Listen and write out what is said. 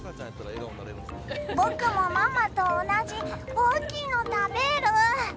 僕もママと同じ大きいの食べる！